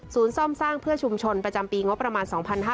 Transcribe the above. ซ่อมสร้างเพื่อชุมชนประจำปีงบประมาณ๒๕๕๙